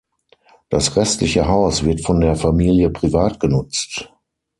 Das restliche Haus wird von der Familie privat genutzt.